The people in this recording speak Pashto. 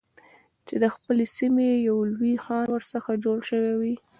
چې د خپلې سیمې یو لوی خان ورڅخه جوړ شوی وي.